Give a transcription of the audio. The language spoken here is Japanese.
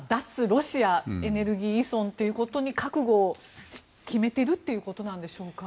ロシアエネルギー依存ということに覚悟を決めているということなんでしょうか。